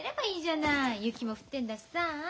雪も降ってんだしさ。